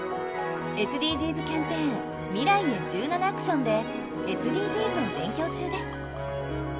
ＳＤＧｓキャンペーン「未来へ１７ａｃｔｉｏｎ」でＳＤＧｓを勉強中です。